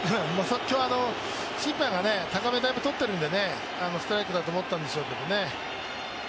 今日、審判が高めをとってるのでストライクだと思ったんでしょうね。